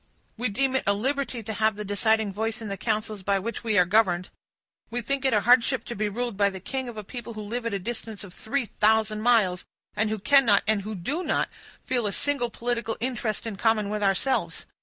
"We deem it a liberty to have the deciding voice in the councils by which we are governed. We think it a hardship to be ruled by the king of a people who live at a distance of three thousand miles, and who cannot, and who do not, feel a single political interest in common with ourselves.